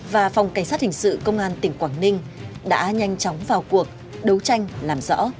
và phòng cảnh sát hình sự công an tỉnh quảng ninh đã nhanh chóng vào cuộc đấu tranh làm rõ